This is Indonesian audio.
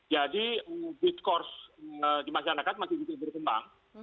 jadi diskurs di masyarakat masih berkembang